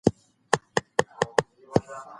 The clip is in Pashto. لويه جرګه ملي حاکميت ته وده ورکوي.